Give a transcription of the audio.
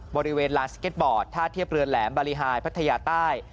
บริเวณลานสเก็ตบอร์ดท่าเทียบเรือแหลมบารีไฮพัทยาใต้